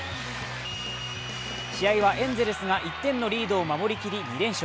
試合はエンゼルスが１点のリードを守りきり２連勝。